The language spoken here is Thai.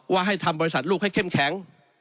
ให้ทำบริษัทลูกให้เข้มแข็ง